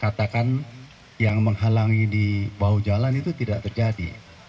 katakan yang menghalangi di bawah jalan itu tidak terjadi